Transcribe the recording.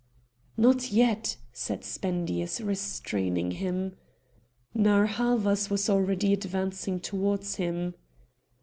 "Not yet!" said Spendius, restraining him. Narr' Havas was already advancing towards him.